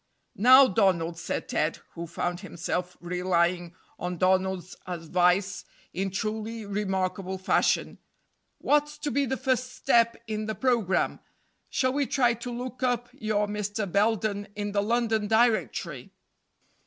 "Now, Donald," said Ted, who found himself relying on Donald's advice in truly remarkable fashion, "what's to be the first step in the programme? Shall we try to look up your Mr. Belden in the London Directory?"